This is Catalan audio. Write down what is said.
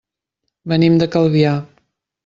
Venim de Calvià.